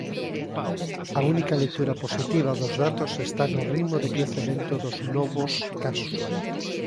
A única lectura positiva dos datos está no ritmo de crecemento dos novos casos.